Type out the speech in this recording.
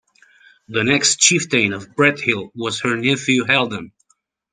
The next Chieftain of Brethil was her nephew Haldan.